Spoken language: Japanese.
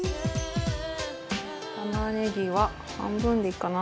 玉ねぎは半分でいいかな。